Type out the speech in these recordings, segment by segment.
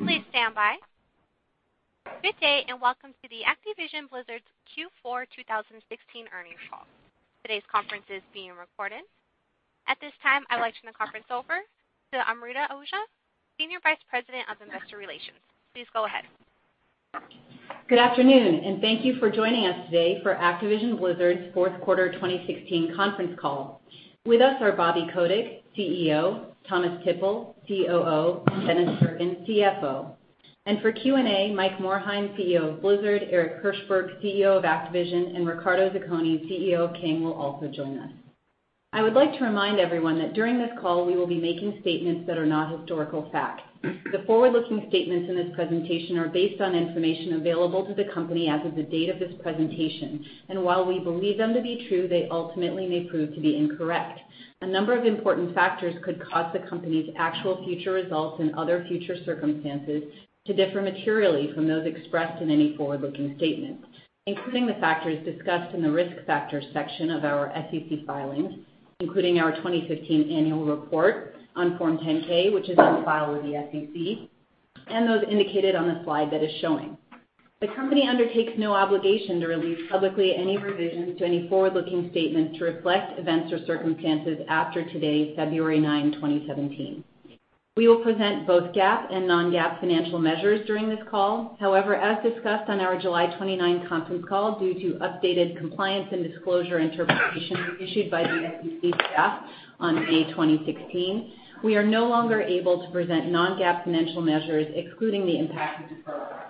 Please stand by. Good day, welcome to Activision Blizzard's Q4 2016 earnings call. Today's conference is being recorded. At this time, I would like to turn the conference over to Amrita Ahuja, Senior Vice President of Investor Relations. Please go ahead. Good afternoon, thank you for joining us today for Activision Blizzard's fourth quarter 2016 conference call. With us are Bobby Kotick, CEO, Thomas Tippl, COO, and Dennis Durkin, CFO. For Q&A, Mike Morhaime, CEO of Blizzard, Eric Hirshberg, CEO of Activision, and Riccardo Zacconi, CEO of King, will also join us. I would like to remind everyone that during this call, we will be making statements that are not historical fact. The forward-looking statements in this presentation are based on information available to the company as of the date of this presentation. While we believe them to be true, they ultimately may prove to be incorrect. A number of important factors could cause the company's actual future results and other future circumstances to differ materially from those expressed in any forward-looking statement, including the factors discussed in the risk factors section of our SEC filings, including our 2015 annual report on Form 10-K, which is on file with the SEC, and those indicated on the slide that is showing. The company undertakes no obligation to release publicly any revisions to any forward-looking statements to reflect events or circumstances after today, February 9, 2017. We will present both GAAP and non-GAAP financial measures during this call. However, as discussed on our July 29 conference call, due to updated compliance and disclosure interpretations issued by the SEC staff on May 2016, we are no longer able to present non-GAAP financial measures excluding the impact of stock-based compensation.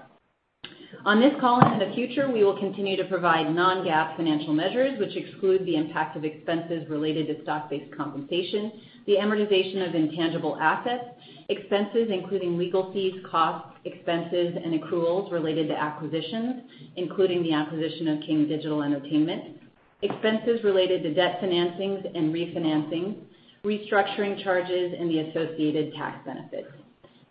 On this call in the future, we will continue to provide non-GAAP financial measures, which exclude the impact of expenses related to stock-based compensation, the amortization of intangible assets, expenses including legal fees, costs, expenses, and accruals related to acquisitions, including the acquisition of King Digital Entertainment, expenses related to debt financings and refinancings, restructuring charges, and the associated tax benefits.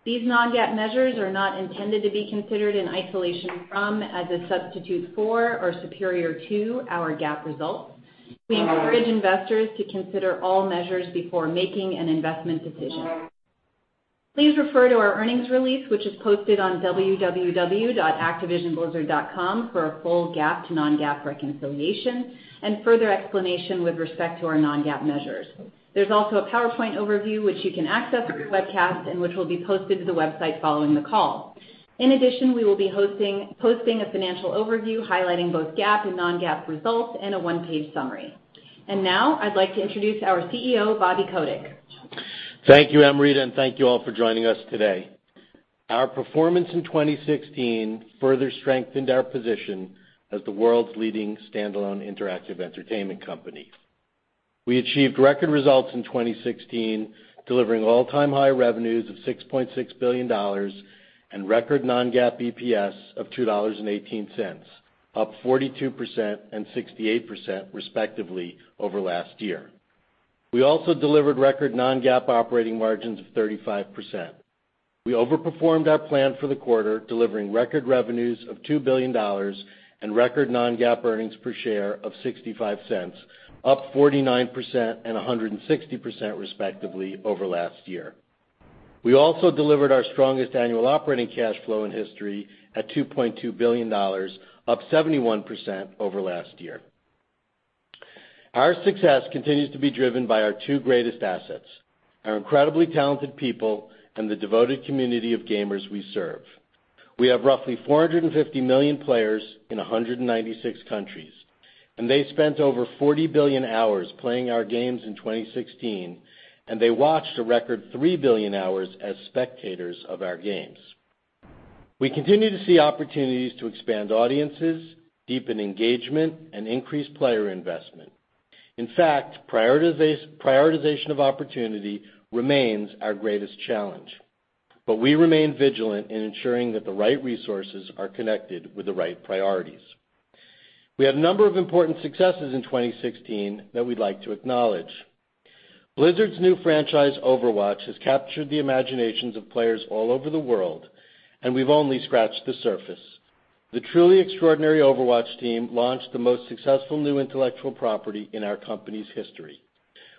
These non-GAAP measures are not intended to be considered in isolation from, as a substitute for, or superior to our GAAP results. We encourage investors to consider all measures before making an investment decision. Please refer to our earnings release, which is posted on www.activisionblizzard.com for a full GAAP to non-GAAP reconciliation and further explanation with respect to our non-GAAP measures. There is also a PowerPoint overview, which you can access through the webcast and which will be posted to the website following the call. In addition, we will be posting a financial overview highlighting both GAAP and non-GAAP results and a one-page summary. Now I'd like to introduce our CEO, Bobby Kotick. Thank you, Amrita, and thank you all for joining us today. Our performance in 2016 further strengthened our position as the world's leading standalone interactive entertainment company. We achieved record results in 2016, delivering all-time high revenues of $6.6 billion and record non-GAAP EPS of $2.18, up 42% and 68% respectively over last year. We also delivered record non-GAAP operating margins of 35%. We overperformed our plan for the quarter, delivering record revenues of $2 billion and record non-GAAP earnings per share of $0.65, up 49% and 160% respectively over last year. We also delivered our strongest annual operating cash flow in history at $2.2 billion, up 71% over last year. Our success continues to be driven by our two greatest assets, our incredibly talented people and the devoted community of gamers we serve. We have roughly 450 million players in 196 countries, they spent over 40 billion hours playing our games in 2016, they watched a record 3 billion hours as spectators of our games. We continue to see opportunities to expand audiences, deepen engagement, and increase player investment. In fact, prioritization of opportunity remains our greatest challenge. We remain vigilant in ensuring that the right resources are connected with the right priorities. We had a number of important successes in 2016 that we'd like to acknowledge. Blizzard's new franchise, "Overwatch," has captured the imaginations of players all over the world, and we've only scratched the surface. The truly extraordinary "Overwatch" team launched the most successful new intellectual property in our company's history.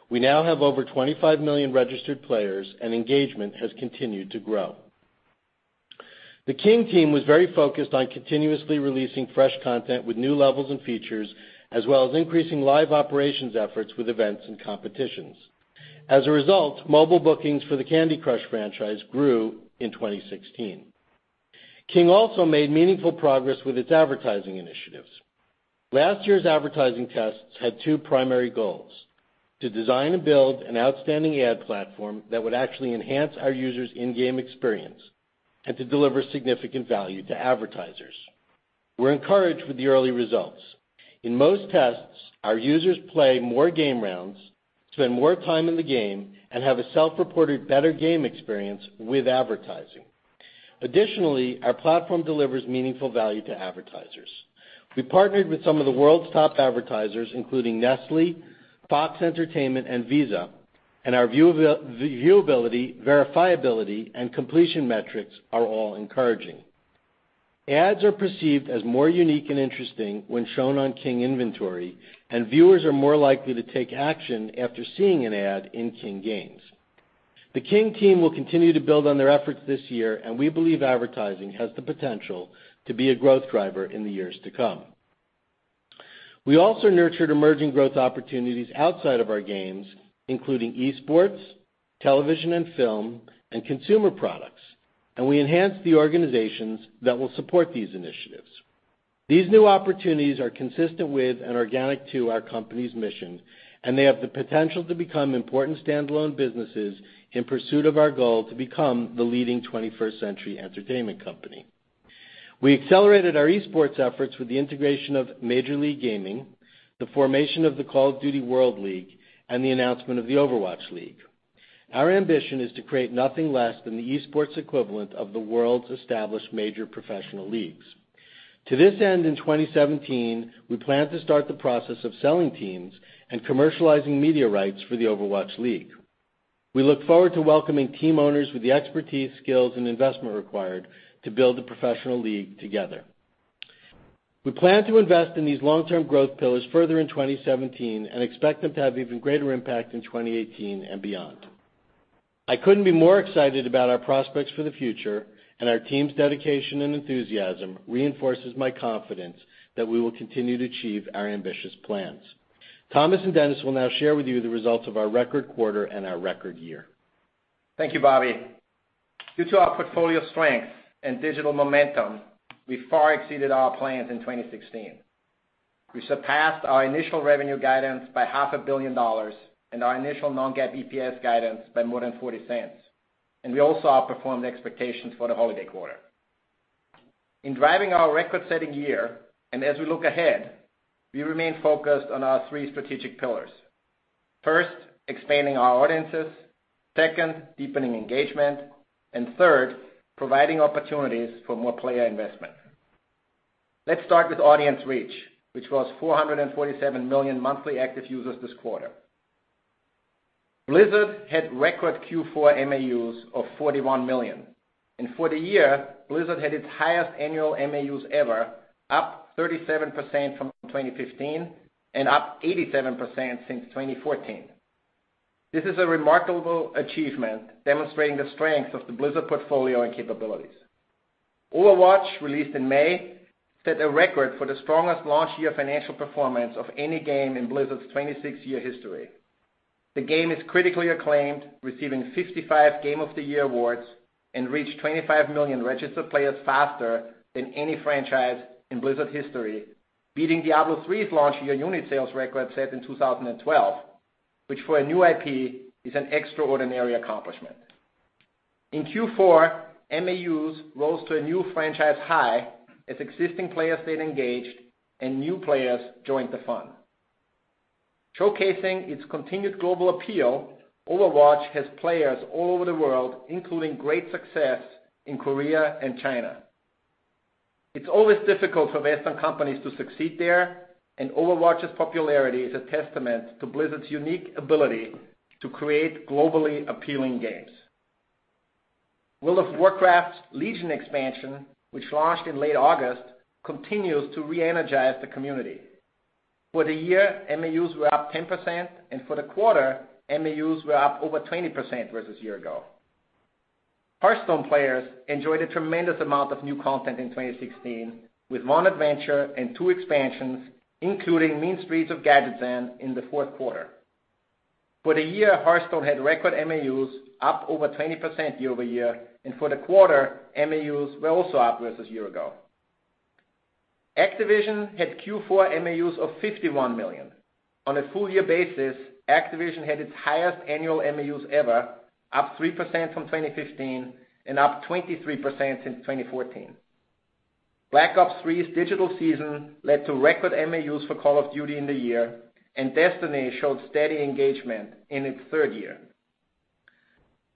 We now have over 25 million registered players, engagement has continued to grow. The King team was very focused on continuously releasing fresh content with new levels and features, as well as increasing live operations efforts with events and competitions. As a result, mobile bookings for the "Candy Crush" franchise grew in 2016. King also made meaningful progress with its advertising initiatives. Last year's advertising tests had two primary goals, to design and build an outstanding ad platform that would actually enhance our users' in-game experience and to deliver significant value to advertisers. We're encouraged with the early results. In most tests, our users play more game rounds, spend more time in the game, and have a self-reported better game experience with advertising. Additionally, our platform delivers meaningful value to advertisers. We partnered with some of the world's top advertisers, including Nestlé, Fox Entertainment, and Visa, and our viewability, verifiability, and completion metrics are all encouraging. Ads are perceived as more unique and interesting when shown on King inventory, viewers are more likely to take action after seeing an ad in King games. The King team will continue to build on their efforts this year, we believe advertising has the potential to be a growth driver in the years to come. We also nurtured emerging growth opportunities outside of our games, including esports, television and film, and consumer products, we enhanced the organizations that will support these initiatives. These new opportunities are consistent with and organic to our company's mission, they have the potential to become important standalone businesses in pursuit of our goal to become the leading 21st century entertainment company. We accelerated our esports efforts with the integration of Major League Gaming, the formation of the Call of Duty World League, and the announcement of the Overwatch League. Our ambition is to create nothing less than the esports equivalent of the world's established major professional leagues. To this end, in 2017, we plan to start the process of selling teams and commercializing media rights for the Overwatch League. We look forward to welcoming team owners with the expertise, skills, and investment required to build a professional league together. We plan to invest in these long-term growth pillars further in 2017 and expect them to have even greater impact in 2018 and beyond. I couldn't be more excited about our prospects for the future, our team's dedication and enthusiasm reinforces my confidence that we will continue to achieve our ambitious plans. Thomas and Dennis will now share with you the results of our record quarter and our record year. Thank you, Bobby. Due to our portfolio strength and digital momentum, we far exceeded our plans in 2016. We surpassed our initial revenue guidance by $500 million and our initial non-GAAP EPS guidance by more than $0.40, we also outperformed expectations for the holiday quarter. In driving our record-setting year, as we look ahead, we remain focused on our three strategic pillars. First, expanding our audiences. Second, deepening engagement. Third, providing opportunities for more player investment. Let's start with audience reach, which was 447 million monthly active users this quarter. Blizzard had record Q4 MAUs of 41 million. For the year, Blizzard had its highest annual MAUs ever, up 37% from 2015 and up 87% since 2014. This is a remarkable achievement demonstrating the strength of the Blizzard portfolio and capabilities. Overwatch, released in May, set a record for the strongest launch year financial performance of any game in Blizzard's 26-year history. The game is critically acclaimed, receiving 55 Game of the Year awards, reached 25 million registered players faster than any franchise in Blizzard history, beating Diablo III's launch year unit sales record set in 2012, which for a new IP is an extraordinary accomplishment. In Q4, MAUs rose to a new franchise high as existing players stayed engaged and new players joined the fun. Showcasing its continued global appeal, Overwatch has players all over the world, including great success in Korea and China. It's always difficult for Western companies to succeed there, Overwatch's popularity is a testament to Blizzard's unique ability to create globally appealing games. World of Warcraft's Legion expansion, which launched in late August, continues to reenergize the community. For the year, MAUs were up 10%, and for the quarter, MAUs were up over 20% versus year ago. Hearthstone players enjoyed a tremendous amount of new content in 2016, with one adventure and two expansions, including Mean Streets of Gadgetzan in the fourth quarter. For the year, Hearthstone had record MAUs up over 20% year-over-year, and for the quarter, MAUs were also up versus year ago. Activision had Q4 MAUs of 51 million. On a full-year basis, Activision had its highest annual MAUs ever, up 3% from 2015 and up 23% since 2014. Black Ops III's digital season led to record MAUs for Call of Duty in the year, and Destiny showed steady engagement in its third year.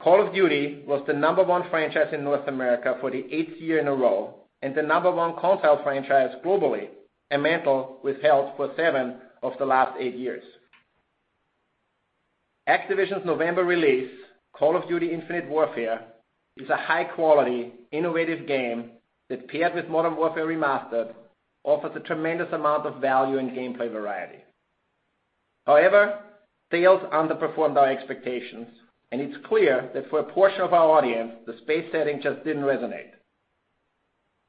Call of Duty was the number one franchise in North America for the eighth year in a row and the number one console franchise globally, a mantle it has held for seven of the last eight years. Activision's November release, Call of Duty: Infinite Warfare, is a high-quality, innovative game that paired with Modern Warfare Remastered offers a tremendous amount of value and gameplay variety. However, sales underperformed our expectations, and it's clear that for a portion of our audience, the space setting just didn't resonate.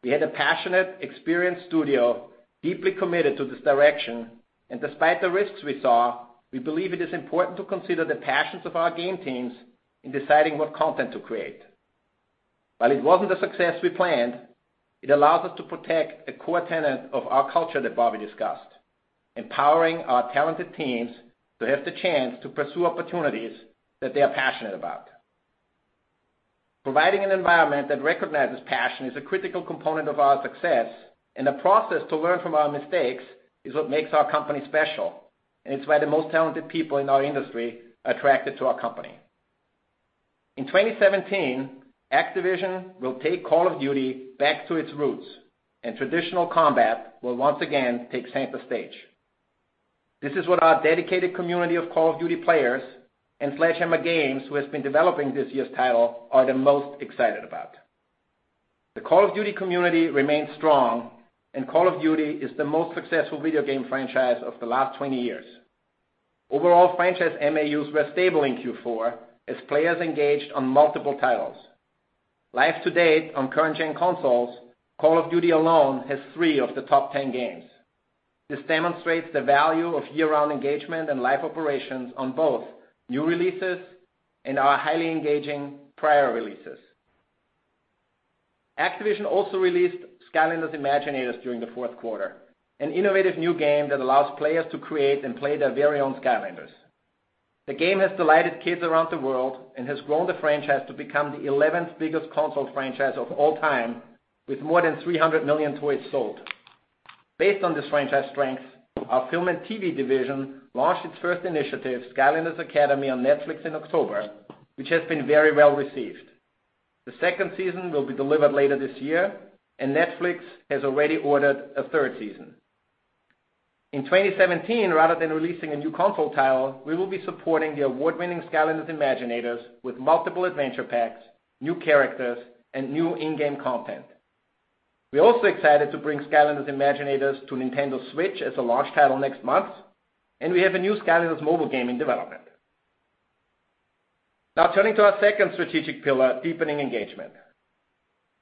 We had a passionate, experienced studio deeply committed to this direction, and despite the risks we saw, we believe it is important to consider the passions of our game teams in deciding what content to create. While it wasn't the success we planned, it allows us to protect a core tenet of our culture that Bobby discussed, empowering our talented teams to have the chance to pursue opportunities that they are passionate about. Providing an environment that recognizes passion is a critical component of our success, and the process to learn from our mistakes is what makes our company special, and it's why the most talented people in our industry are attracted to our company. In 2017, Activision will take Call of Duty back to its roots and traditional combat will once again take center stage. This is what our dedicated community of Call of Duty players and Sledgehammer Games, who has been developing this year's title, are the most excited about. The Call of Duty community remains strong, and Call of Duty is the most successful video game franchise of the last 20 years. Overall franchise MAUs were stable in Q4 as players engaged on multiple titles. Live to date on current-gen consoles, Call of Duty alone has three of the top 10 games. This demonstrates the value of year-round engagement and live operations on both new releases and our highly engaging prior releases. Activision also released Skylanders Imaginators during the fourth quarter, an innovative new game that allows players to create and play their very own Skylanders. The game has delighted kids around the world and has grown the franchise to become the 11th biggest console franchise of all time, with more than 300 million toys sold. Based on this franchise strength, our film and TV division launched its first initiative, Skylanders Academy, on Netflix in October, which has been very well-received. The second season will be delivered later this year, and Netflix has already ordered a third season. In 2017, rather than releasing a new console title, we will be supporting the award-winning Skylanders Imaginators with multiple adventure packs, new characters, and new in-game content. We are also excited to bring Skylanders Imaginators to Nintendo Switch as a launch title next month, and we have a new Skylanders mobile game in development. Now turning to our second strategic pillar, deepening engagement.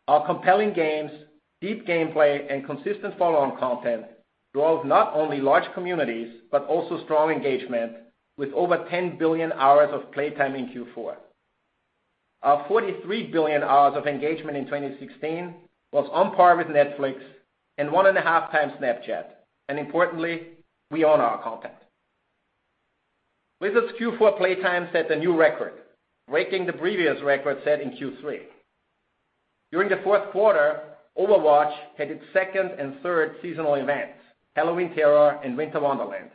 Our compelling games, deep gameplay, and consistent follow-on content drove not only large communities, but also strong engagement with over 10 billion hours of play time in Q4. Our 43 billion hours of engagement in 2016 was on par with Netflix and one and a half times Snapchat. Importantly, we own our content. Blizzard's Q4 play time set a new record, breaking the previous record set in Q3. During the fourth quarter, Overwatch had its second and third seasonal events, Overwatch Halloween Terror and Winter Wonderland,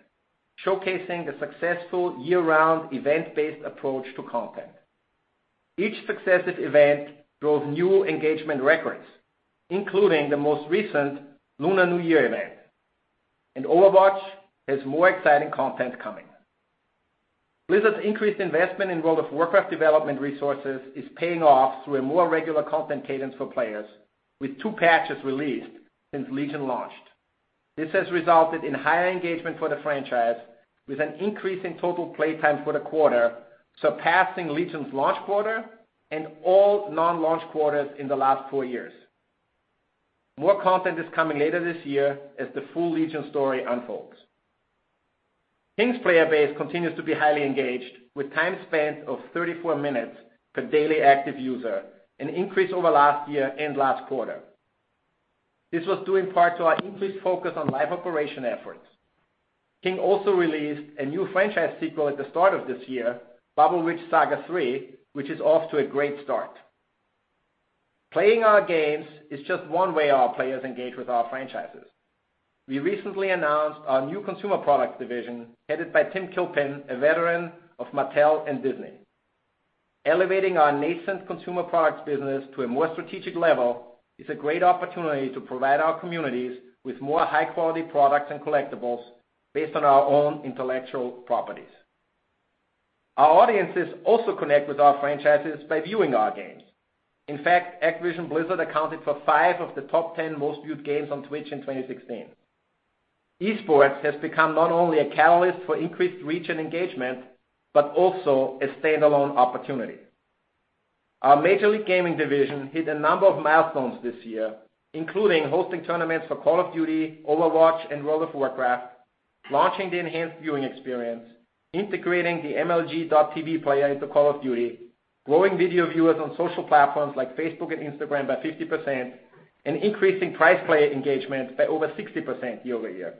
showcasing the successful year-round event-based approach to content. Each successive event broke new engagement records, including the most recent Lunar New Year event. Overwatch has more exciting content coming. Blizzard's increased investment in World of Warcraft development resources is paying off through a more regular content cadence for players, with two patches released since Legion launched. This has resulted in higher engagement for the franchise with an increase in total play time for the quarter, surpassing Legion's launch quarter and all non-launch quarters in the last four years. More content is coming later this year as the full Legion story unfolds. King's player base continues to be highly engaged with time spans of 34 minutes per daily active user, an increase over last year and last quarter. This was due in part to our increased focus on live operation efforts. King also released a new franchise sequel at the start of this year, Bubble Witch 3 Saga, which is off to a great start. Playing our games is just one way our players engage with our franchises. We recently announced our new consumer product division headed by Tim Kilpin, a veteran of Mattel and Disney. Elevating our nascent consumer products business to a more strategic level is a great opportunity to provide our communities with more high-quality products and collectibles based on our own intellectual properties. Our audiences also connect with our franchises by viewing our games. In fact, Activision Blizzard accounted for five of the top 10 most viewed games on Twitch in 2016. Esports has become not only a catalyst for increased reach and engagement, but also a standalone opportunity. Our Major League Gaming division hit a number of milestones this year, including hosting tournaments for Call of Duty, Overwatch, and World of Warcraft, launching the enhanced viewing experience, integrating the MLG.tv player into Call of Duty, growing video viewers on social platforms like Facebook and Instagram by 50%, and increasing prize play engagement by over 60% year-over-year.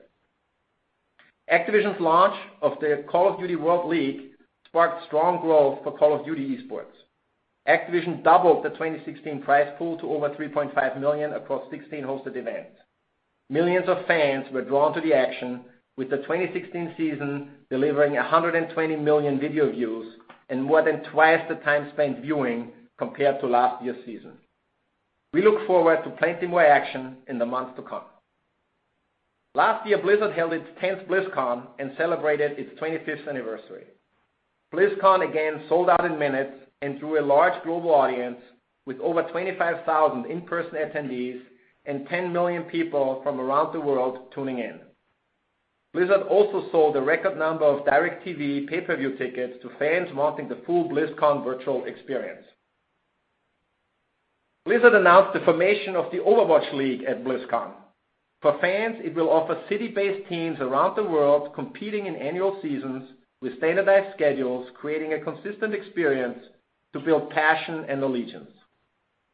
Activision's launch of the Call of Duty World League sparked strong growth for Call of Duty Esports. Activision doubled the 2016 prize pool to over $3.5 million across 16 hosted events. Millions of fans were drawn to the action with the 2016 season delivering 120 million video views and more than twice the time spent viewing compared to last year's season. We look forward to plenty more action in the months to come. Last year, Blizzard held its 10th BlizzCon and celebrated its 25th anniversary. BlizzCon again sold out in minutes and drew a large global audience with over 25,000 in-person attendees and 10 million people from around the world tuning in. Blizzard also sold a record number of DirecTV pay-per-view tickets to fans wanting the full BlizzCon virtual experience. Blizzard announced the formation of the Overwatch League at BlizzCon. For fans, it will offer city-based teams around the world competing in annual seasons with standardized schedules, creating a consistent experience to build passion and allegiance.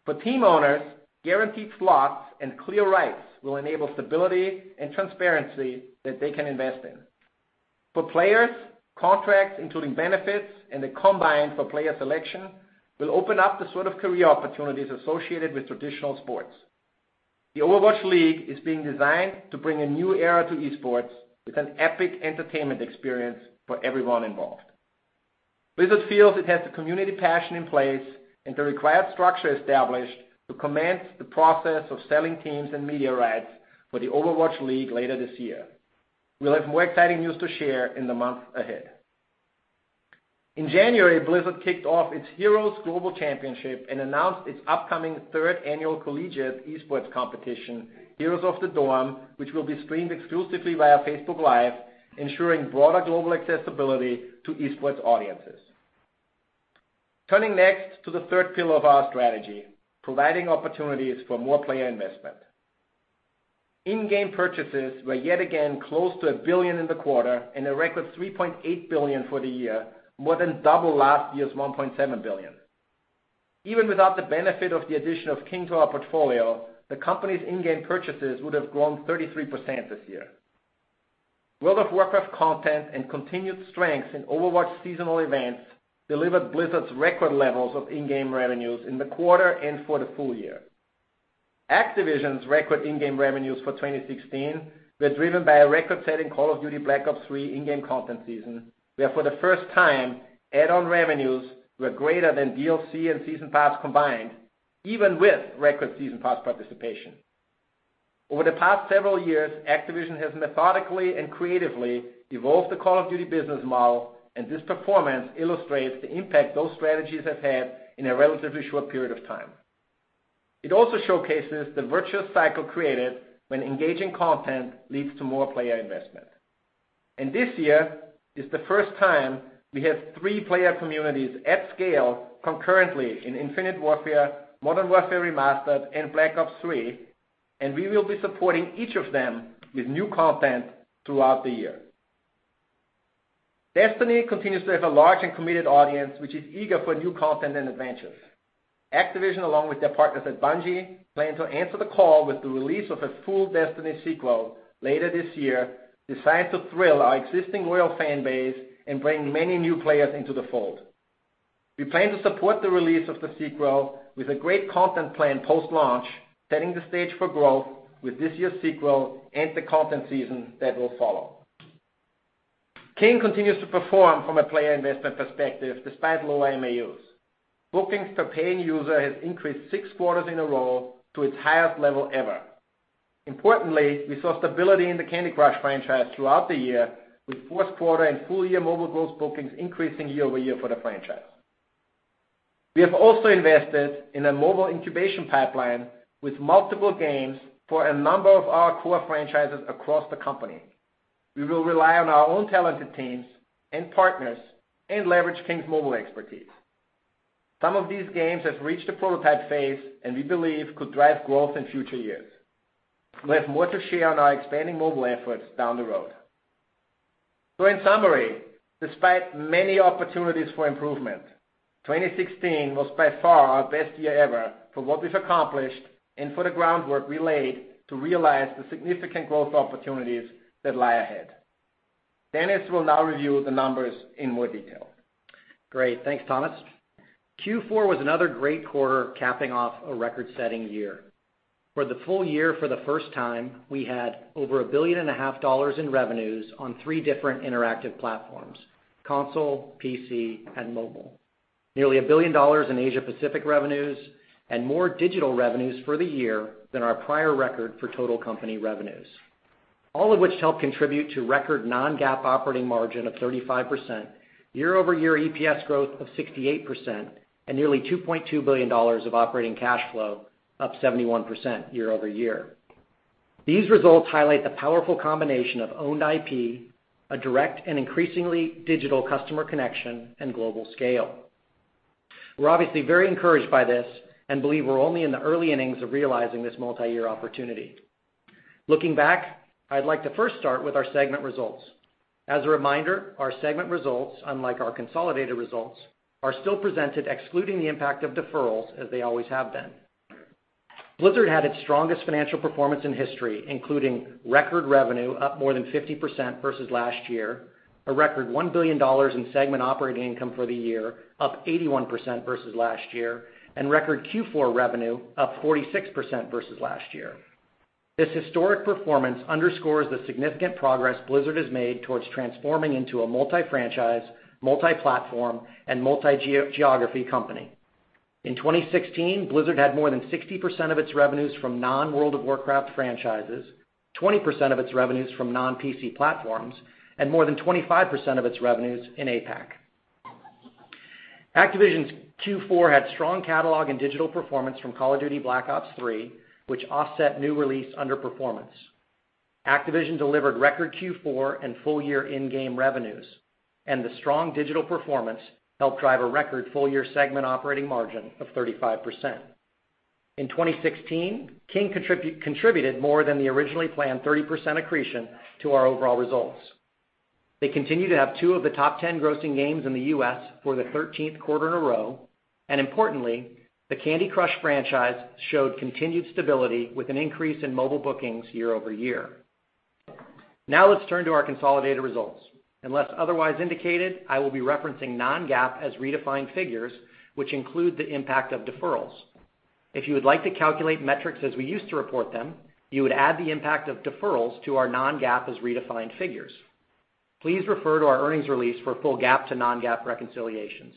For team owners, guaranteed slots and clear rights will enable stability and transparency that they can invest in. For players, contracts including benefits and the Combine for player selection will open up the sort of career opportunities associated with traditional sports. The Overwatch League is being designed to bring a new era to esports with an epic entertainment experience for everyone involved. Blizzard feels it has the community passion in place and the required structure established to commence the process of selling teams and media rights for the Overwatch League later this year. We will have more exciting news to share in the months ahead. In January, Blizzard kicked off its Heroes Global Championship and announced its upcoming third annual collegiate esports competition, Heroes of the Dorm, which will be streamed exclusively via Facebook Live, ensuring broader global accessibility to esports audiences. Turning next to the third pillar of our strategy, providing opportunities for more player investment. In-game purchases were yet again close to $1 billion in the quarter and a record $3.8 billion for the year, more than double last year's $1.7 billion. Even without the benefit of the addition of King to our portfolio, the company's in-game purchases would have grown 33% this year. World of Warcraft content and continued strengths in Overwatch seasonal events delivered Blizzard's record levels of in-game revenues in the quarter and for the full year. Activision's record in-game revenues for 2016 were driven by a record-setting Call of Duty: Black Ops III in-game content season, where for the first time, add-on revenues were greater than DLC and Season Pass combined, even with record Season Pass participation. Over the past several years, Activision has methodically and creatively evolved the Call of Duty business model. This performance illustrates the impact those strategies have had in a relatively short period of time. It also showcases the virtuous cycle created when engaging content leads to more player investment. This year is the first time we have three player communities at scale concurrently in Infinite Warfare, Modern Warfare Remastered, and Black Ops III, and we will be supporting each of them with new content throughout the year. Destiny continues to have a large and committed audience, which is eager for new content and adventures. Activision, along with their partners at Bungie, plan to answer the call with the release of a full Destiny sequel later this year, designed to thrill our existing loyal fan base and bring many new players into the fold. We plan to support the release of the sequel with a great content plan post-launch, setting the stage for growth with this year's sequel and the content season that will follow. King continues to perform from a player investment perspective despite lower MAUs. Bookings per paying user has increased six quarters in a row to its highest level ever. Importantly, we saw stability in the Candy Crush franchise throughout the year, with Q4 and full-year mobile gross bookings increasing year-over-year for the franchise. We have also invested in a mobile incubation pipeline with multiple games for a number of our core franchises across the company. We will rely on our own talented teams and partners and leverage King's mobile expertise. Some of these games have reached the prototype phase, and we believe could drive growth in future years. We will have more to share on our expanding mobile efforts down the road. In summary, despite many opportunities for improvement, 2016 was by far our best year ever for what we've accomplished and for the groundwork we laid to realize the significant growth opportunities that lie ahead. Dennis will now review the numbers in more detail. Great. Thanks, Thomas. Q4 was another great quarter capping off a record-setting year. For the full year for the first time, we had over $1.5 billion in revenues on three different interactive platforms: console, PC, and mobile. Nearly $1 billion in Asia Pacific revenues and more digital revenues for the year than our prior record for total company revenues. All of which help contribute to record non-GAAP operating margin of 35%, year-over-year EPS growth of 68%, and nearly $2.2 billion of operating cash flow, up 71% year-over-year. These results highlight the powerful combination of owned IP, a direct and increasingly digital customer connection, and global scale. We are obviously very encouraged by this and believe we are only in the early innings of realizing this multi-year opportunity. Looking back, I would like to first start with our segment results. As a reminder, our segment results, unlike our consolidated results, are still presented excluding the impact of deferrals as they always have been. Blizzard had its strongest financial performance in history, including record revenue up more than 50% versus last year, a record $1 billion in segment operating income for the year, up 81% versus last year, and record Q4 revenue up 46% versus last year. This historic performance underscores the significant progress Blizzard has made towards transforming into a multi-franchise, multi-platform, and multi-geography company. In 2016, Blizzard had more than 60% of its revenues from non-World of Warcraft franchises, 20% of its revenues from non-PC platforms, and more than 25% of its revenues in APAC. Activision's Q4 had strong catalog and digital performance from Call of Duty: Black Ops III, which offset new release underperformance. Activision delivered record Q4 and full-year in-game revenues. The strong digital performance helped drive a record full-year segment operating margin of 35%. In 2016, King contributed more than the originally planned 30% accretion to our overall results. They continue to have two of the top 10 grossing games in the U.S. for the 13th quarter in a row. Importantly, the Candy Crush franchise showed continued stability with an increase in mobile bookings year-over-year. Let's turn to our consolidated results. Unless otherwise indicated, I will be referencing non-GAAP as redefined figures, which include the impact of deferrals. If you would like to calculate metrics as we used to report them, you would add the impact of deferrals to our non-GAAP as redefined figures. Please refer to our earnings release for full GAAP to non-GAAP reconciliations.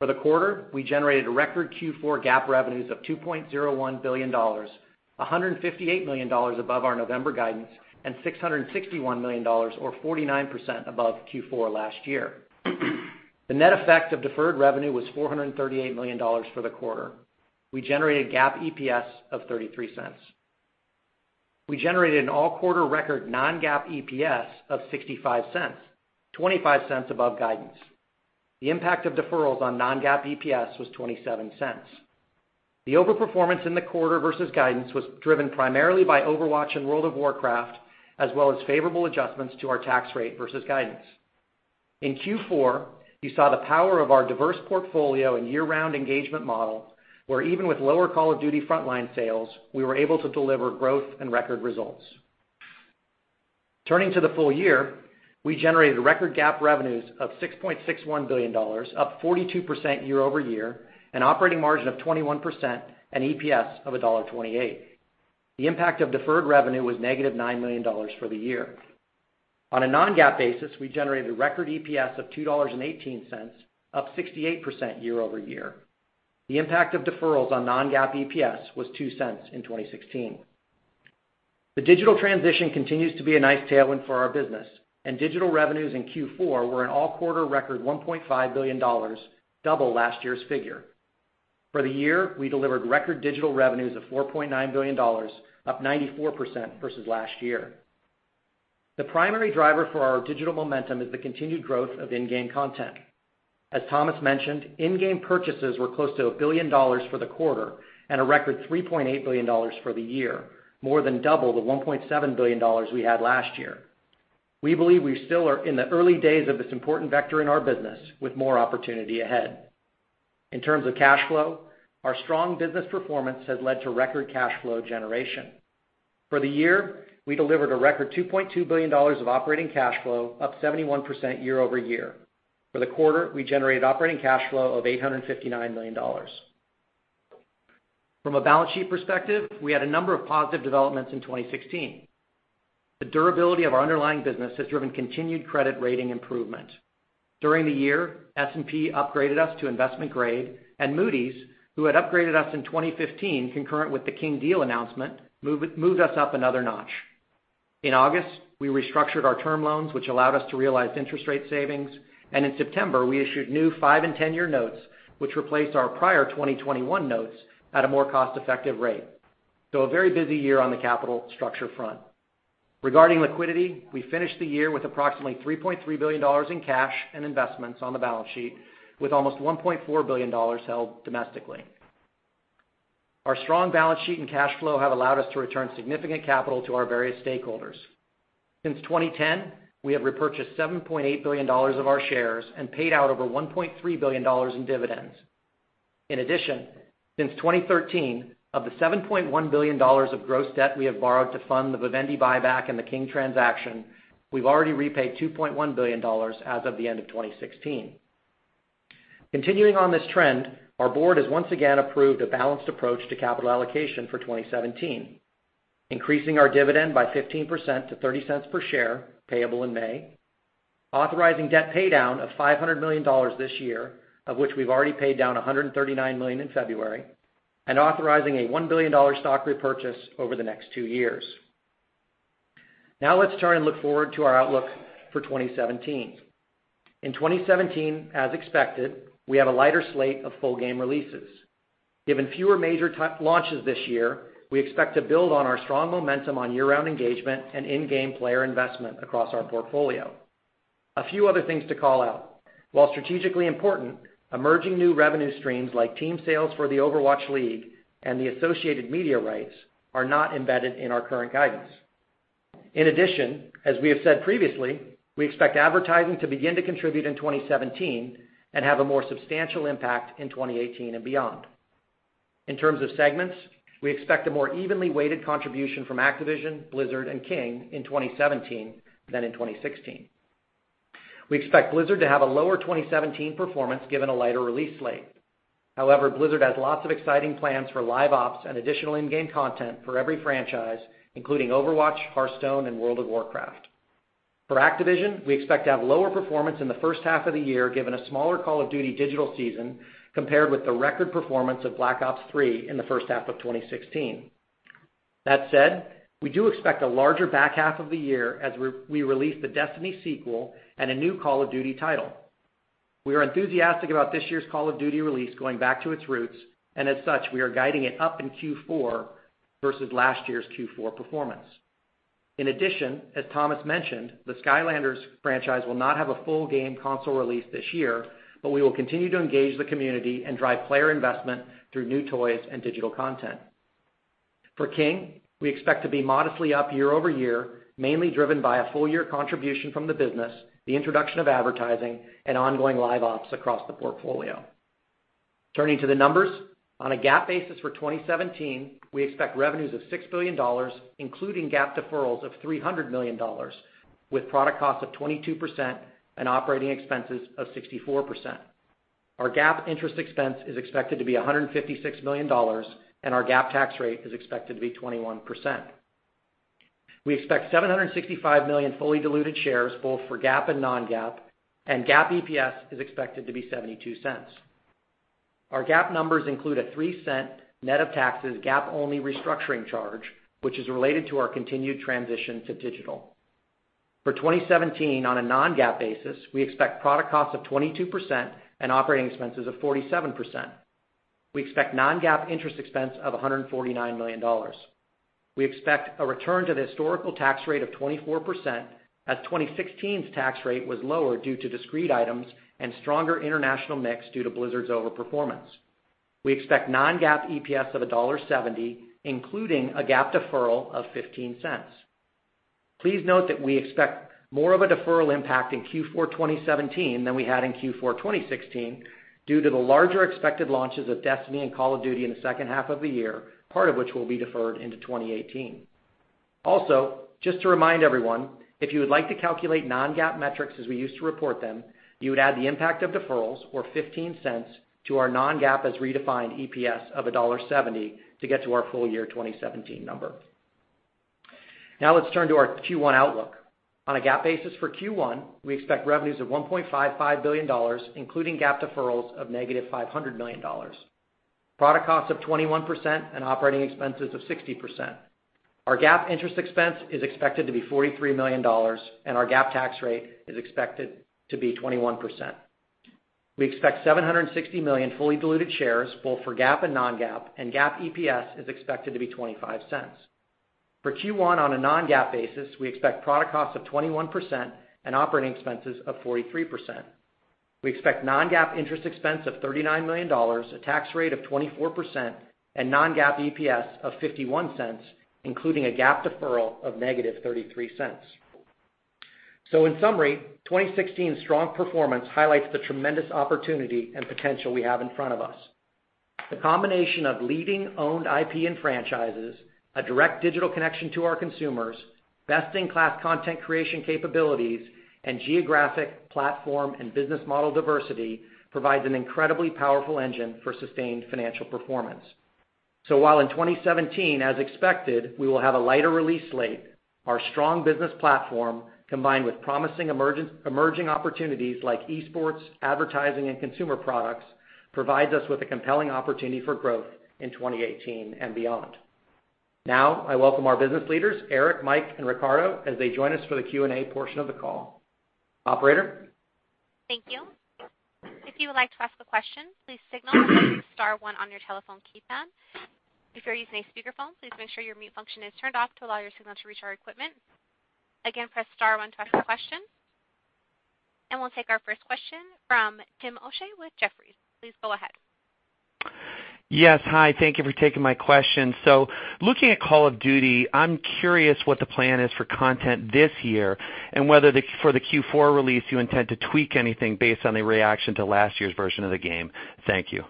For the quarter, we generated record Q4 GAAP revenues of $2.01 billion, $158 million above our November guidance, $661 million, or 49% above Q4 last year. The net effect of deferred revenue was $438 million for the quarter. We generated GAAP EPS of $0.33. We generated an all-quarter record non-GAAP EPS of $0.65, $0.25 above guidance. The impact of deferrals on non-GAAP EPS was $0.27. The over-performance in the quarter versus guidance was driven primarily by Overwatch and World of Warcraft, as well as favorable adjustments to our tax rate versus guidance. In Q4, you saw the power of our diverse portfolio and year-round engagement model, where even with lower Call of Duty: Frontline sales, we were able to deliver growth and record results. Turning to the full year, we generated record GAAP revenues of $6.61 billion, up 42% year-over-year, an operating margin of 21%, and EPS of $1.28. The impact of deferred revenue was negative $9 million for the year. On a non-GAAP basis, we generated a record EPS of $2.18, up 68% year-over-year. The impact of deferrals on non-GAAP EPS was $0.02 in 2016. The digital transition continues to be a nice tailwind for our business. Digital revenues in Q4 were an all-quarter record $1.5 billion, double last year's figure. For the year, we delivered record digital revenues of $4.9 billion, up 94% versus last year. The primary driver for our digital momentum is the continued growth of in-game content. As Thomas mentioned, in-game purchases were close to $1 billion for the quarter and a record $3.8 billion for the year, more than double the $1.7 billion we had last year. We believe we still are in the early days of this important vector in our business with more opportunity ahead. In terms of cash flow, our strong business performance has led to record cash flow generation. For the year, we delivered a record $2.2 billion of operating cash flow, up 71% year-over-year. For the quarter, we generated operating cash flow of $859 million. From a balance sheet perspective, we had a number of positive developments in 2016. The durability of our underlying business has driven continued credit rating improvement. During the year, S&P upgraded us to investment grade. Moody's, who had upgraded us in 2015 concurrent with the King deal announcement, moved us up another notch. In August, we restructured our term loans, which allowed us to realize interest rate savings, and in September, we issued new 5 and 10-year notes, which replaced our prior 2021 notes at a more cost-effective rate. A very busy year on the capital structure front. Regarding liquidity, we finished the year with approximately $3.3 billion in cash and investments on the balance sheet, with almost $1.4 billion held domestically. Our strong balance sheet and cash flow have allowed us to return significant capital to our various stakeholders. Since 2010, we have repurchased $7.8 billion of our shares and paid out over $1.3 billion in dividends. In addition, since 2013, of the $7.1 billion of gross debt we have borrowed to fund the Vivendi buyback and the King transaction, we've already repaid $2.1 billion as of the end of 2016. Continuing on this trend, our board has once again approved a balanced approach to capital allocation for 2017, increasing our dividend by 15% to $0.30 per share, payable in May, authorizing debt paydown of $500 million this year, of which we've already paid down $139 million in February, and authorizing a $1 billion stock repurchase over the next two years. Let's turn and look forward to our outlook for 2017. In 2017, as expected, we have a lighter slate of full game releases. Given fewer major launches this year, we expect to build on our strong momentum on year-round engagement and in-game player investment across our portfolio. A few other things to call out. While strategically important, emerging new revenue streams like team sales for the Overwatch League and the associated media rights are not embedded in our current guidance. In addition, as we have said previously, we expect advertising to begin to contribute in 2017 and have a more substantial impact in 2018 and beyond. In terms of segments, we expect a more evenly weighted contribution from Activision, Blizzard, and King in 2017 than in 2016. We expect Blizzard to have a lower 2017 performance given a lighter release slate. However, Blizzard has lots of exciting plans for live ops and additional in-game content for every franchise, including Overwatch, Hearthstone, and World of Warcraft. For Activision, we expect to have lower performance in the first half of the year given a smaller Call of Duty digital season compared with the record performance of Black Ops III in the first half of 2016. That said, we do expect a larger back half of the year as we release the Destiny sequel and a new Call of Duty title. We are enthusiastic about this year's Call of Duty release going back to its roots, and as such, we are guiding it up in Q4 versus last year's Q4 performance. In addition, as Thomas mentioned, the Skylanders franchise will not have a full game console release this year, but we will continue to engage the community and drive player investment through new toys and digital content. For King, we expect to be modestly up year-over-year, mainly driven by a full-year contribution from the business, the introduction of advertising, and ongoing live ops across the portfolio. Turning to the numbers, on a GAAP basis for 2017, we expect revenues of $6 billion, including GAAP deferrals of $300 million with product costs of 22% and operating expenses of 64%. Our GAAP interest expense is expected to be $156 million, and our GAAP tax rate is expected to be 21%. We expect 765 million fully diluted shares, both for GAAP and non-GAAP. GAAP EPS is expected to be $0.72. Our GAAP numbers include a $0.03 net of taxes GAAP-only restructuring charge, which is related to our continued transition to digital. For 2017, on a non-GAAP basis, we expect product costs of 22% and operating expenses of 47%. We expect non-GAAP interest expense of $149 million. We expect a return to the historical tax rate of 24%, as 2016's tax rate was lower due to discrete items and stronger international mix due to Blizzard's over-performance. We expect non-GAAP EPS of $1.70, including a GAAP deferral of $0.15. Please note that we expect more of a deferral impact in Q4 2017 than we had in Q4 2016 due to the larger expected launches of Destiny and Call of Duty in the second half of the year, part of which will be deferred into 2018. Just to remind everyone, if you would like to calculate non-GAAP metrics as we used to report them, you would add the impact of deferrals or $0.15 to our non-GAAP as redefined EPS of $1.70 to get to our full-year 2017 number. Let's turn to our Q1 outlook. On a GAAP basis for Q1, we expect revenues of $1.55 billion, including GAAP deferrals of $-500 million, product costs of 21% and operating expenses of 60%. Our GAAP interest expense is expected to be $43 million. Our GAAP tax rate is expected to be 21%. We expect 760 million fully diluted shares, both for GAAP and non-GAAP. GAAP EPS is expected to be $0.25. For Q1 on a non-GAAP basis, we expect product costs of 21% and operating expenses of 43%. We expect non-GAAP interest expense of $39 million, a tax rate of 24%, and non-GAAP EPS of $0.51, including a GAAP deferral of $-0.33. In summary, 2016's strong performance highlights the tremendous opportunity and potential we have in front of us. The combination of leading owned IP and franchises, a direct digital connection to our consumers, best-in-class content creation capabilities, geographic platform and business model diversity provides an incredibly powerful engine for sustained financial performance. While in 2017, as expected, we will have a lighter release slate, our strong business platform, combined with promising emerging opportunities like esports, advertising, and consumer products, provides us with a compelling opportunity for growth in 2018 and beyond. I welcome our business leaders, Eric, Mike, and Riccardo, as they join us for the Q&A portion of the call. Operator? Thank you. If you would like to ask a question, please signal by pressing star one on your telephone keypad. If you're using a speakerphone, please make sure your mute function is turned off to allow your signal to reach our equipment. Again, press star one to ask a question. We'll take our first question from Tim O'Shea with Jefferies. Please go ahead. Yes. Hi. Thank you for taking my question. Looking at Call of Duty, I'm curious what the plan is for content this year and whether for the Q4 release, you intend to tweak anything based on the reaction to last year's version of the game. Thank you.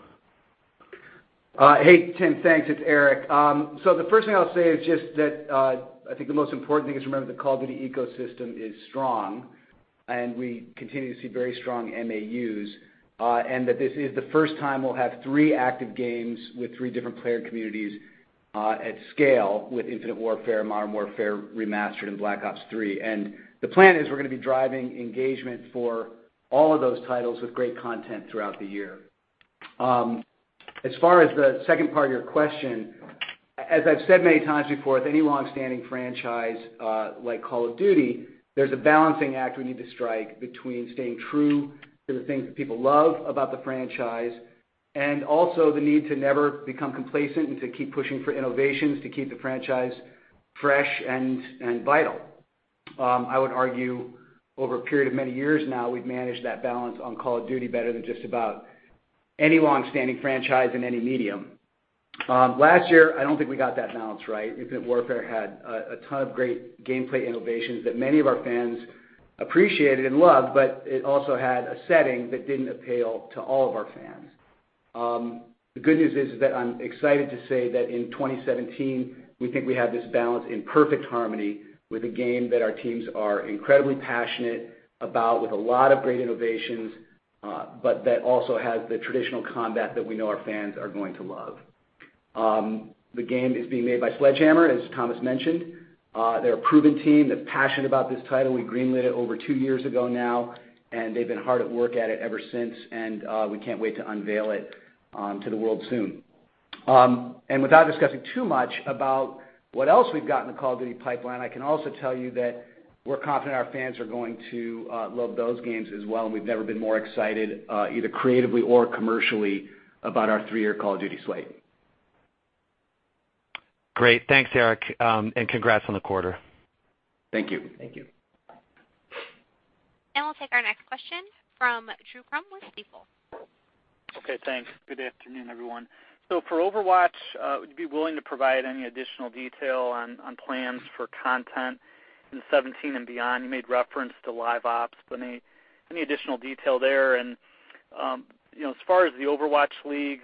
Hey, Tim. Thanks. It's Eric. The first thing I'll say is just that, I think the most important thing is to remember the Call of Duty ecosystem is strong, and we continue to see very strong MAUs, and that this is the first time we'll have three active games with three different player communities at scale with Infinite Warfare, Modern Warfare Remastered, and Black Ops III. The plan is we're going to be driving engagement for all of those titles with great content throughout the year. As far as the second part of your question, as I've said many times before, with any longstanding franchise like Call of Duty, there's a balancing act we need to strike between staying true to the things that people love about the franchise and also the need to never become complacent and to keep pushing for innovations to keep the franchise fresh and vital. I would argue over a period of many years now, we've managed that balance on Call of Duty better than just about any longstanding franchise in any medium. Last year, I don't think we got that balance right. Infinite Warfare had a ton of great gameplay innovations that many of our fans appreciated and loved, it also had a setting that didn't appeal to all of our fans. The good news is that I'm excited to say that in 2017, we think we have this balance in perfect harmony with a game that our teams are incredibly passionate about with a lot of great innovations, but that also has the traditional combat that we know our fans are going to love. The game is being made by Sledgehammer, as Thomas mentioned. They're a proven team. They're passionate about this title. We green-lit it over two years ago now, and they've been hard at work at it ever since, and we can't wait to unveil it to the world soon. Without discussing too much about what else we've got in the Call of Duty pipeline, I can also tell you that we're confident our fans are going to love those games as well, and we've never been more excited, either creatively or commercially, about our three-year Call of Duty slate. Great. Thanks, Eric, and congrats on the quarter. Thank you. Thank you. We'll take our next question from Drew Crum with Stifel. Thanks. Good afternoon, everyone. For Overwatch, would you be willing to provide any additional detail on plans for content in 2017 and beyond? You made reference to Live Ops, but any additional detail there? As far as the Overwatch League,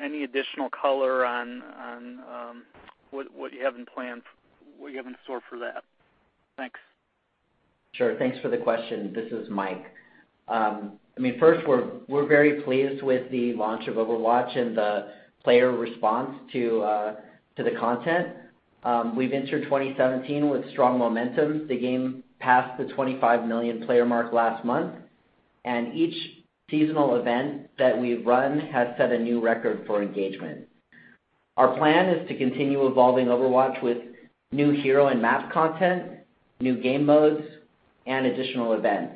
any additional color on what you have in store for that? Thanks. Sure. Thanks for the question. This is Mike. First, we're very pleased with the launch of Overwatch and the player response to the content. We've entered 2017 with strong momentum. The game passed the 25 million player mark last month, and each seasonal event that we've run has set a new record for engagement. Our plan is to continue evolving Overwatch with new hero and map content, new game modes, and additional events.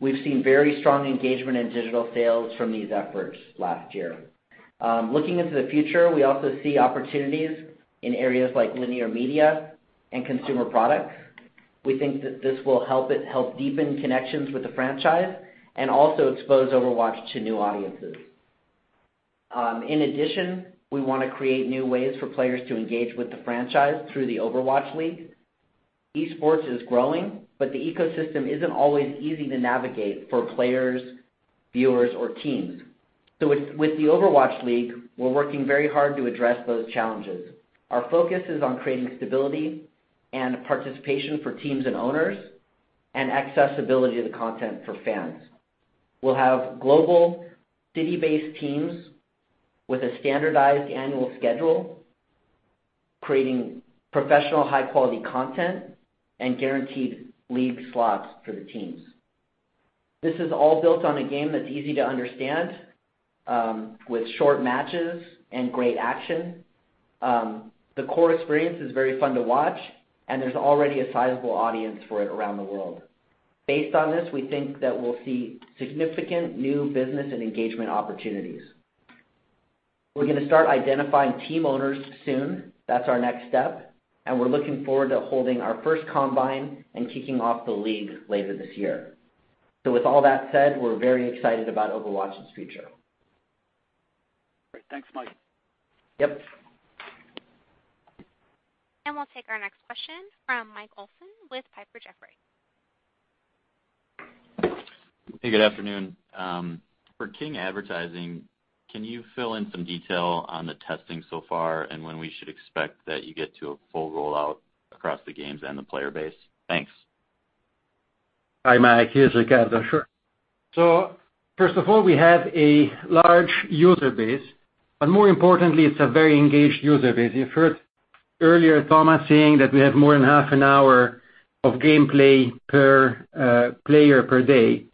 We've seen very strong engagement in digital sales from these efforts last year. Looking into the future, we also see opportunities in areas like linear media and consumer products. We think that this will help deepen connections with the franchise and also expose Overwatch to new audiences. In addition, we want to create new ways for players to engage with the franchise through the Overwatch League. Esports is growing, but the ecosystem isn't always easy to navigate for players, viewers, or teams. With the Overwatch League, we're working very hard to address those challenges. Our focus is on creating stability and participation for teams and owners and accessibility of the content for fans. We'll have global city-based teams with a standardized annual schedule, creating professional, high-quality content and guaranteed league slots for the teams. This is all built on a game that's easy to understand with short matches and great action. The core experience is very fun to watch, and there's already a sizable audience for it around the world. Based on this, we think that we'll see significant new business and engagement opportunities. We're going to start identifying team owners soon. That's our next step, and we're looking forward to holding our first Combine and kicking off the league later this year. With all that said, we're very excited about Overwatch's future. Great. Thanks, Mike. Yep. We'll take our next question from Mike Olson with Piper Jaffray. Hey, good afternoon. For King advertising, can you fill in some detail on the testing so far and when we should expect that you get to a full rollout across the games and the player base? Thanks. Hi, Mike, it's Riccardo. Sure. First of all, we have a large user base, but more importantly, it's a very engaged user base. You've heard earlier Thomas saying that we have more than half an hour of gameplay per player per day,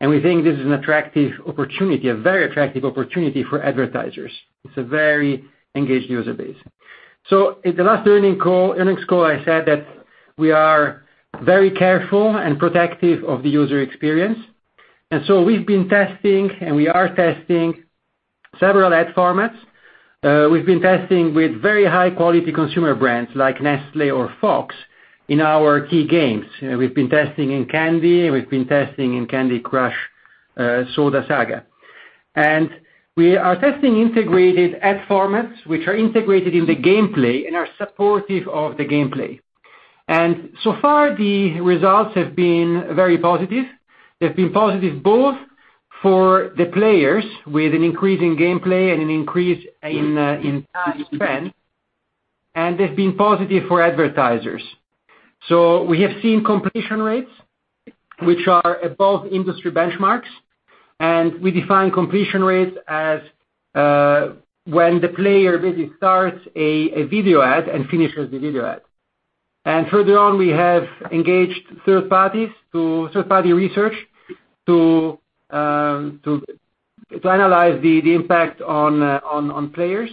and we think this is a very attractive opportunity for advertisers. It's a very engaged user base. At the last earnings call, I said that we are very careful and protective of the user experience, we've been testing, and we are testing several ad formats. We've been testing with very high-quality consumer brands like Nestlé or Fox in our key games. We've been testing in "Candy." We've been testing in "Candy Crush Soda Saga." We are testing integrated ad formats, which are integrated in the gameplay and are supportive of the gameplay. So far, the results have been very positive. They've been positive both for the players, with an increase in gameplay and an increase in spend. They've been positive for advertisers. We have seen completion rates, which are above industry benchmarks, and we define completion rates as when the player basically starts a video ad and finishes the video ad. Further on, we have engaged third-party research to analyze the impact on players.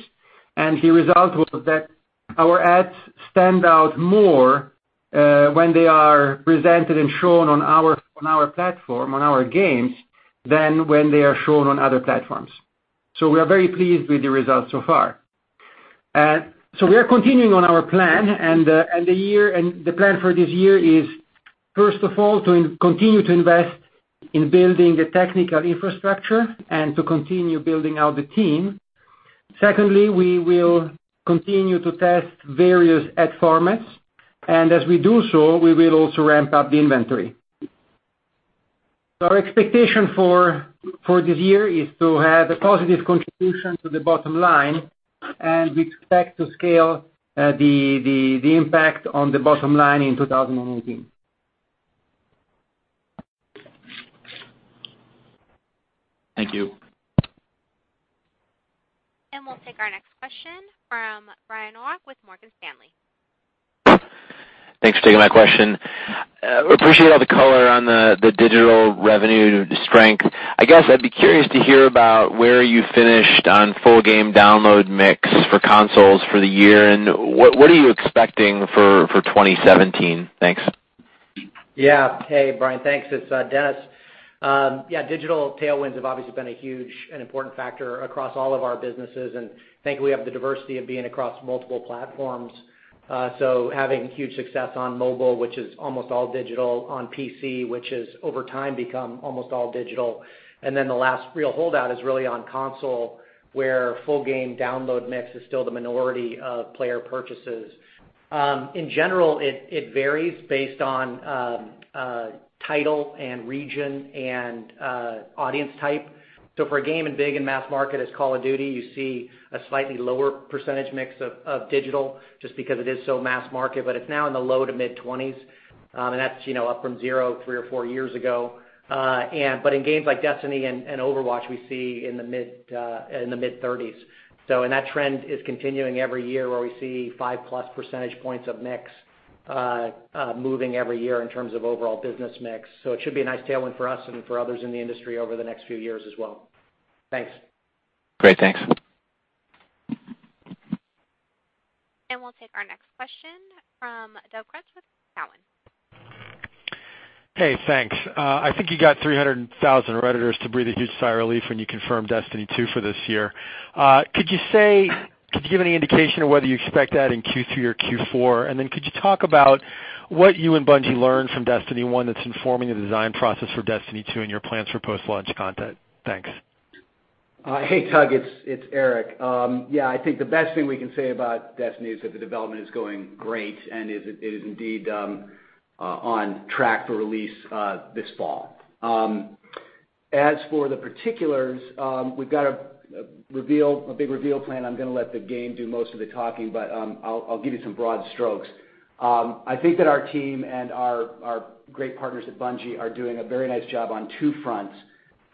The result was that our ads stand out more when they are presented and shown on our platform, on our games, than when they are shown on other platforms. We are very pleased with the results so far. We are continuing on our plan, and the plan for this year is first of all, to continue to invest in building the technical infrastructure and to continue building out the team. Secondly, we will continue to test various ad formats, and as we do so, we will also ramp up the inventory. Our expectation for this year is to have a positive contribution to the bottom line, and we expect to scale the impact on the bottom line in 2018. Thank you. We'll take our next question from Brian Nowak with Morgan Stanley. Thanks for taking my question. Appreciate all the color on the digital revenue strength. I guess I'd be curious to hear about where you finished on full game download mix for consoles for the year, and what are you expecting for 2017? Thanks. Hey, Brian. Thanks. It's Dennis. Digital tailwinds have obviously been a huge and important factor across all of our businesses, and thankfully, we have the diversity of being across multiple platforms. Having huge success on mobile, which is almost all digital on PC, which has over time become almost all digital. The last real holdout is really on console, where full game download mix is still the minority of player purchases. In general, it varies based on title and region and audience type. For a game in big and mass market as Call of Duty, you see a slightly lower percentage mix of digital just because it is so mass market, but it's now in the low to mid-20s, and that's up from zero, three or four years ago. In games like Destiny and Overwatch, we see in the mid-30s. That trend is continuing every year where we see five-plus percentage points of mix moving every year in terms of overall business mix. It should be a nice tailwind for us and for others in the industry over the next few years as well. Thanks. Great, thanks. We'll take our next question from Doug Creutz with Cowen. Hey, thanks. I think you got 300,000 Redditors to breathe a huge sigh of relief when you confirmed Destiny 2 for this year. Could you give any indication of whether you expect that in Q3 or Q4? Could you talk about what you and Bungie learned from Destiny 1 that's informing the design process for Destiny 2 and your plans for post-launch content? Thanks. Hey, Doug. It's Eric. Yeah, I think the best thing we can say about Destiny is that the development is going great and it is indeed on track for release this fall. As for the particulars, we've got a big reveal planned. I'm going to let the game do most of the talking, but I'll give you some broad strokes. I think that our team and our great partners at Bungie are doing a very nice job on two fronts.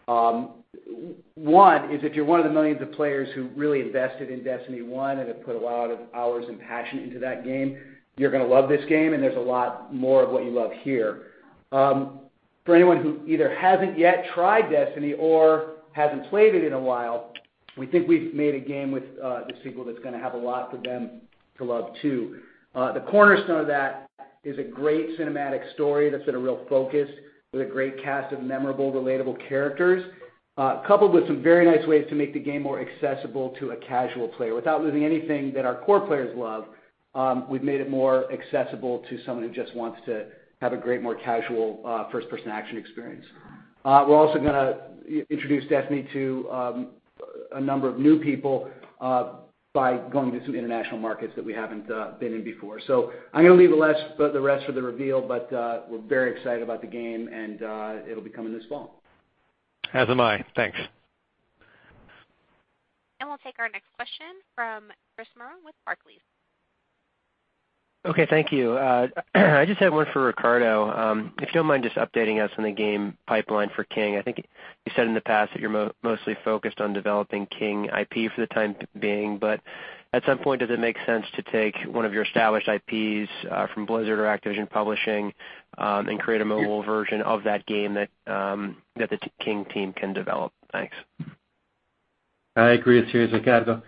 One is if you're one of the millions of players who really invested in Destiny 1 and have put a lot of hours and passion into that game, you're going to love this game, and there's a lot more of what you love here. For anyone who either hasn't yet tried Destiny or hasn't played it in a while, we think we've made a game with the sequel that's going to have a lot for them to love, too. The cornerstone of that is a great cinematic story that's been a real focus, with a great cast of memorable, relatable characters, coupled with some very nice ways to make the game more accessible to a casual player. Without losing anything that our core players love, we've made it more accessible to someone who just wants to have a great, more casual first-person action experience. We're also going to introduce Destiny to a number of new people by going to some international markets that we haven't been in before. I'm going to leave the rest for the reveal, but we're very excited about the game, and it'll be coming this fall. As am I. Thanks. We'll take our next question from Chris Merwin with Barclays. Okay, thank you. I just have one for Riccardo. If you don't mind just updating us on the game pipeline for King. I think you said in the past that you're mostly focused on developing King IP for the time being, but at some point, does it make sense to take one of your established IPs from Blizzard or Activision Publishing and create a mobile version of that game that the King team can develop? Thanks. I agree with you. It's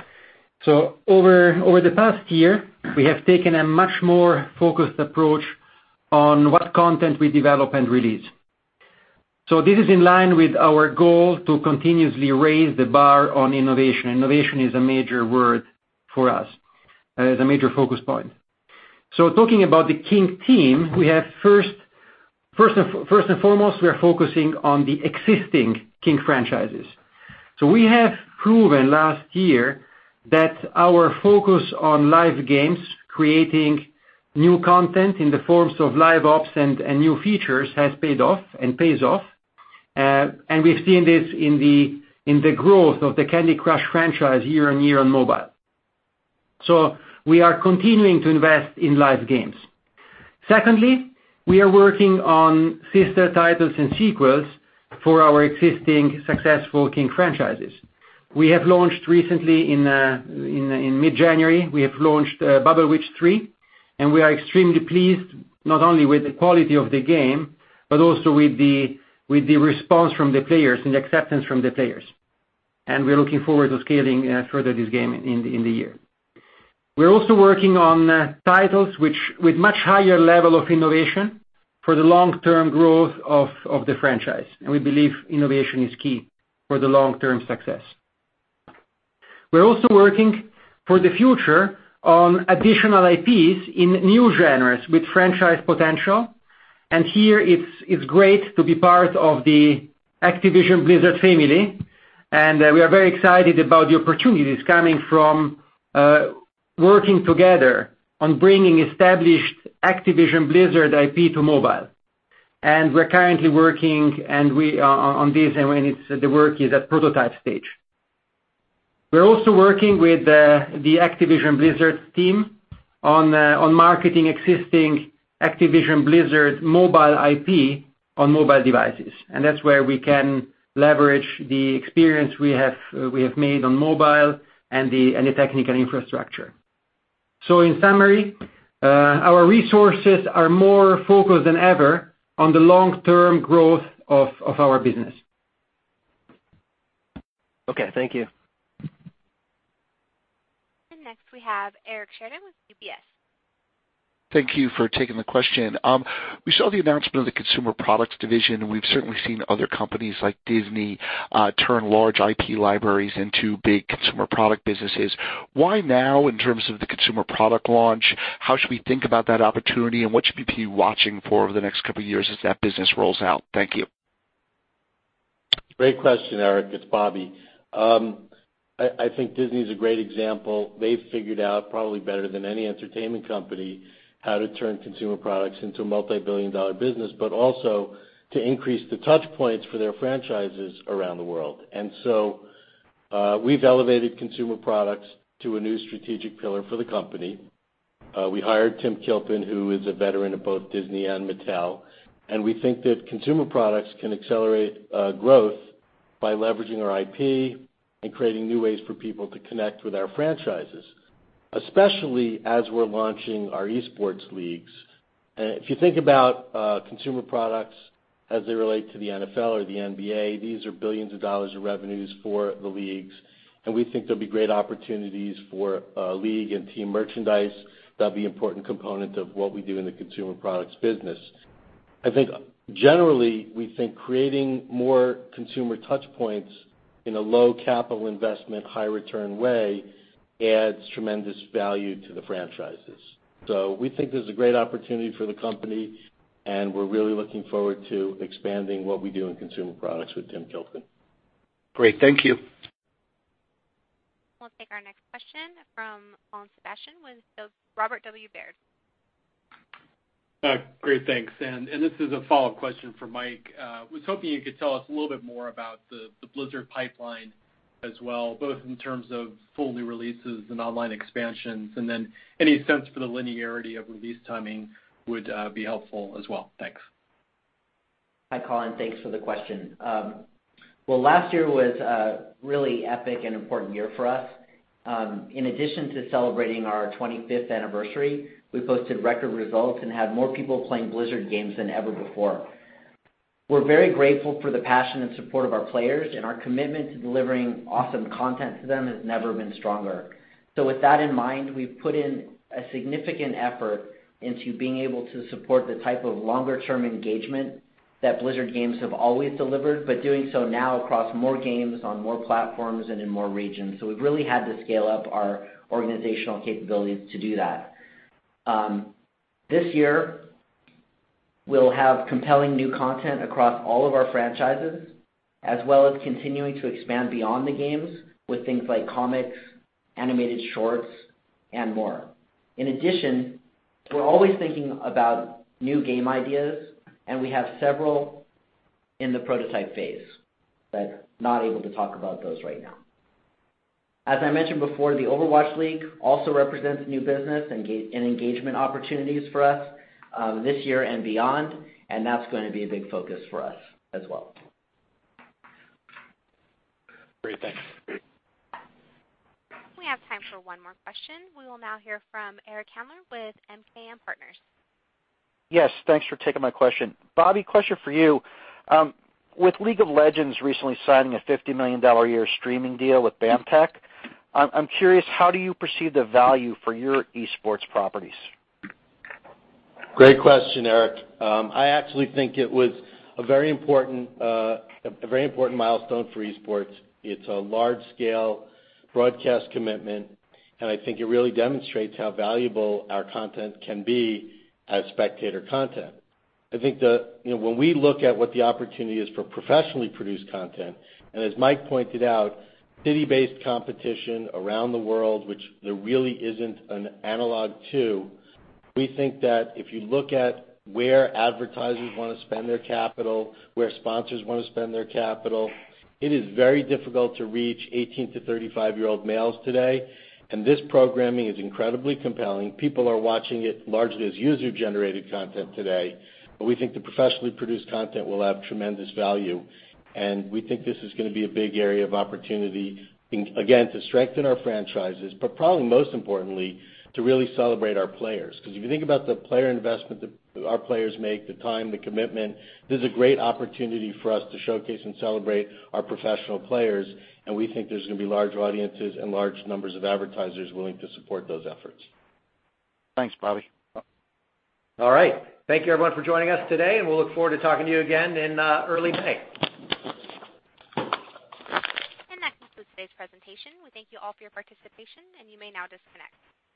Riccardo. Over the past year, we have taken a much more focused approach on what content we develop and release. This is in line with our goal to continuously raise the bar on innovation. Innovation is a major word for us as a major focus point. Talking about the King team, first and foremost, we are focusing on the existing King franchises. We have proven last year that our focus on live games, creating new content in the forms of live ops and new features has paid off and pays off. We've seen this in the growth of the Candy Crush franchise year-on-year on mobile. We are continuing to invest in live games. Secondly, we are working on sister titles and sequels for our existing successful King franchises. We have launched recently in mid-January, we have launched Bubble Witch 3, and we are extremely pleased not only with the quality of the game, but also with the response from the players and the acceptance from the players. We're looking forward to scaling further this game in the year. We're also working on titles with much higher level of innovation for the long-term growth of the franchise, and we believe innovation is key for the long-term success. We're also working for the future on additional IPs in new genres with franchise potential, and here it's great to be part of the Activision Blizzard family, and we are very excited about the opportunities coming from working together on bringing established Activision Blizzard IP to mobile. We're currently working on this, and the work is at prototype stage. We're also working with the Activision Blizzard team on marketing existing Activision Blizzard mobile IP on mobile devices, that's where we can leverage the experience we have made on mobile and the technical infrastructure. In summary, our resources are more focused than ever on the long-term growth of our business. Okay, thank you. Next we have Eric Sheridan with UBS. Thank you for taking the question. We saw the announcement of the Consumer Products Division, we've certainly seen other companies like Disney turn large IP libraries into big consumer product businesses. Why now in terms of the consumer product launch? How should we think about that opportunity, what should we be watching for over the next couple of years as that business rolls out? Thank you. Great question, Eric. It's Bobby. I think Disney is a great example. They've figured out probably better than any entertainment company how to turn consumer products into a multibillion-dollar business, but also to increase the touch points for their franchises around the world. We've elevated consumer products to a new strategic pillar for the company. We hired Tim Kilpin who is a veteran of both Disney and Mattel, we think that consumer products can accelerate growth By leveraging our IP and creating new ways for people to connect with our franchises, especially as we're launching our esports leagues. If you think about consumer products as they relate to the NFL or the NBA, these are billions of dollars of revenues for the leagues, we think there'll be great opportunities for league and team merchandise. That'll be an important component of what we do in the consumer products business. I think, generally, we think creating more consumer touchpoints in a low capital investment, high return way adds tremendous value to the franchises. We think this is a great opportunity for the company, we're really looking forward to expanding what we do in consumer products with Tim Kilpin. Great. Thank you. We'll take our next question from Colin Sebastian with Robert W. Baird. Great. Thanks. This is a follow-up question for Mike. Was hoping you could tell us a little bit more about the Blizzard pipeline as well, both in terms of full new releases and online expansions, any sense for the linearity of release timing would be helpful as well. Thanks. Hi, Colin. Thanks for the question. Last year was a really epic and important year for us. In addition to celebrating our 25th anniversary, we posted record results and had more people playing Blizzard games than ever before. We're very grateful for the passion and support of our players, our commitment to delivering awesome content to them has never been stronger. With that in mind, we've put in a significant effort into being able to support the type of longer-term engagement that Blizzard games have always delivered, doing so now across more games, on more platforms, and in more regions. We've really had to scale up our organizational capabilities to do that. This year, we'll have compelling new content across all of our franchises, as well as continuing to expand beyond the games with things like comics, animated shorts, and more. In addition, we're always thinking about new game ideas, we have several in the prototype phase, not able to talk about those right now. As I mentioned before, the Overwatch League also represents new business and engagement opportunities for us this year and beyond, that's going to be a big focus for us as well. Great. Thanks. We have time for one more question. We will now hear from Eric Handler with MKM Partners. Yes, thanks for taking my question. Bobby, question for you. With League of Legends recently signing a $50 million a year streaming deal with BAMTech, I'm curious, how do you perceive the value for your esports properties? Great question, Eric. I actually think it was a very important milestone for esports. It's a large-scale broadcast commitment. I think it really demonstrates how valuable our content can be as spectator content. I think that when we look at what the opportunity is for professionally produced content. As Mike pointed out, city-based competition around the world, which there really isn't an analog to, we think that if you look at where advertisers want to spend their capital, where sponsors want to spend their capital, it is very difficult to reach 18-35-year-old males today. This programming is incredibly compelling. People are watching it largely as user-generated content today, we think the professionally produced content will have tremendous value. We think this is going to be a big area of opportunity, again, to strengthen our franchises. Probably most importantly, to really celebrate our players. If you think about the player investment that our players make, the time, the commitment, this is a great opportunity for us to showcase and celebrate our professional players. We think there's going to be large audiences and large numbers of advertisers willing to support those efforts. Thanks, Bobby. All right. Thank you, everyone, for joining us today. We'll look forward to talking to you again in early May. That concludes today's presentation. We thank you all for your participation. You may now disconnect.